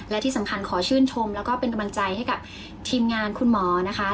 และที่สำคัญขอชื่นชมแล้วก็เป็นกำลังใจให้กับทีมงานคุณหมอนะคะ